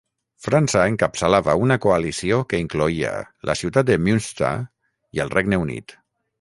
França encapçalava una coalició que incloïa la ciutat de Münster i el Regne Unit.